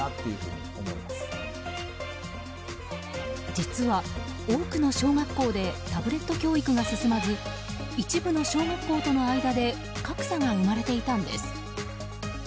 実は、多くの小学校でタブレット教育が進まず一部の小学校との間で格差が生まれていたんです。